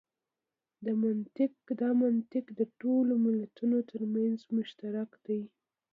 دا منطق د ټولو ملتونو تر منځ مشترک دی.